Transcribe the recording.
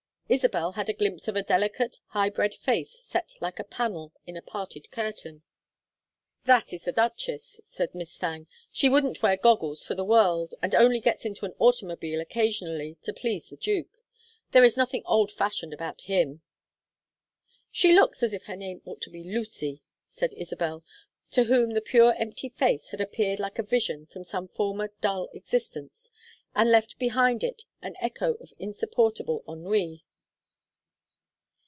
Isabel had a glimpse of a delicate high bred face set like a panel in a parted curtain. "That is the duchess," said Miss Thangue. "She wouldn't wear goggles for the world, and only gets into an automobile occasionally to please the duke. There is nothing old fashioned about him." "She looks as if her name ought to be Lucy," said Isabel, to whom the pure empty face had appeared like a vision from some former dull existence, and left behind it an echo of insupportable ennui.